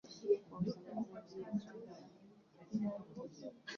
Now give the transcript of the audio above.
Alipata kuwa mkuu wa kwanza wa shirika hilo lote la Mt.